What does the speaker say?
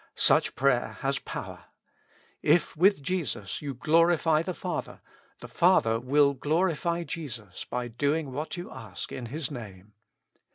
Such prayer has power. If with Jesus you glorify the Father, the Father will glorify Jesus by doing what you ask in His Name.